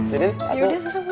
ya udah seru